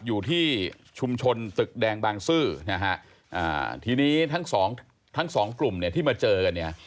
อยู่ที่ชุมชนตึกแดงบางซื่อทีนี้ทั้ง๒กลุ่มที่มาเจอกัน